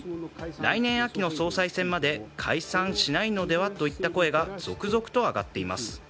来年秋の総裁選まで解散しないのではといった声が続々と上がっています。